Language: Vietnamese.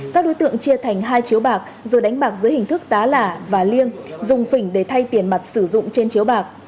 các đối tượng chia thành hai chiếu bạc rồi đánh bạc giữa hình thức tá lả và liêng dùng phỉnh để thay tiền mặt sử dụng trên chiếu bạc